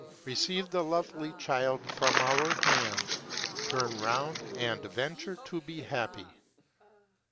Receive the lovely child from our hands : turn round, and venture to be happy."